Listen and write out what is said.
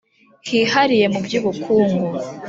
hihariye mu by ubukungu